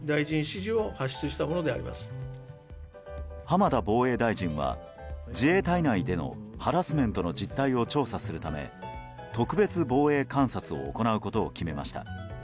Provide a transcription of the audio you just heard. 浜田防衛大臣は自衛隊内でのハラスメントの実態を調査するため、特別防衛監察を行うことを決めました。